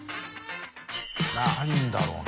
高いんだろうな。